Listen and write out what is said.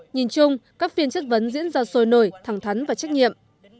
nhìn chung các phiên chất vấn diễn ra sôi nổi thẳng thắn và trách nhiệm